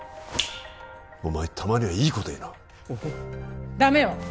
お前たまにはいいこと言うなエヘダメよ！